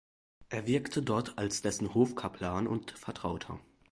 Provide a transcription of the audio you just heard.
Er wirkte dort als dessen Hofkaplan und Vertrauter.